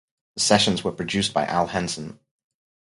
The sessions were produced by Al Henson.